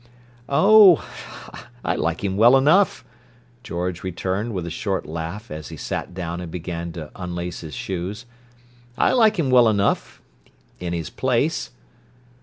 "Oh, I like him well enough," George returned, with a short laugh, as he sat down and began to unlace his shoes. "I like him well enough—in his place."